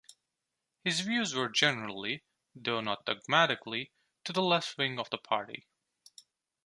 His views were generally, though not dogmatically, to the left-wing of the party.